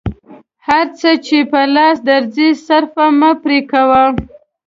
هر څه چې په لاس درځي صرفه مه پرې کوه.